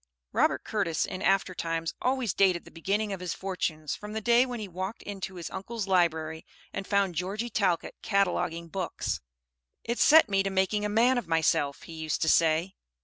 Robert Curtis in after times always dated the beginning of his fortunes from the day when he walked into his uncle's library and found Georgie Talcott cataloguing books. "It set me to making a man of myself," he used to say.